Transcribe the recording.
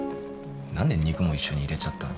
何で肉も一緒に入れちゃったの？